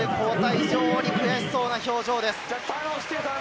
非常に悔しそうな表情です。